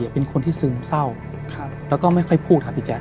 เป็นคนที่ซึมเศร้าแล้วก็ไม่ค่อยพูดครับพี่แจ๊